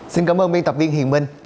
xin cảm ơn biên tập viên hiền minh